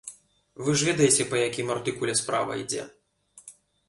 Вы ж ведаеце, па якім артыкуле справа ідзе.